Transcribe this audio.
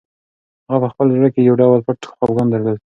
هغه په خپل زړه کې یو ډول پټ خپګان درلود.